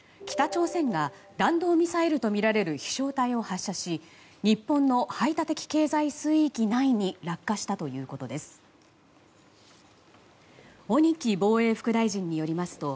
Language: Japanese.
北朝鮮が弾道ミサイルとみられる飛翔体を発射し日本の排他的経済水域内に落下したということです。